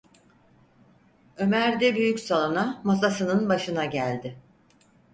Ömer de büyük salona, masasının başına geldi.